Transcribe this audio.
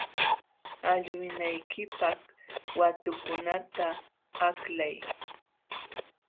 Allwinaykipaq watukunata aklay.